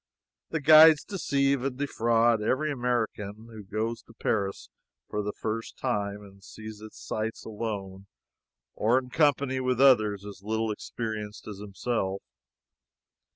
The guides deceive and defraud every American who goes to Paris for the first time and sees its sights alone or in company with others as little experienced as himself.